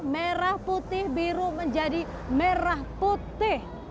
merah putih biru menjadi merah putih